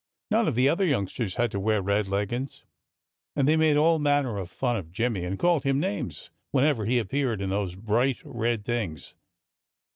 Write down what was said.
None of the other youngsters had to wear red leggins. And they made all manner of fun of Jimmy, and called him names, whenever he appeared in those bright red things.